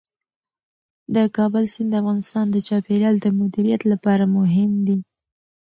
د کابل سیند د افغانستان د چاپیریال د مدیریت لپاره مهم دي.